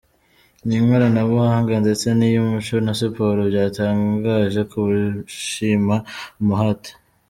nIkoranabuhanga ndetse niyUmuco na Siporo byatangaje ko bishima umuhate.